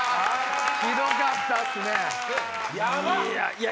ひどかったっすね。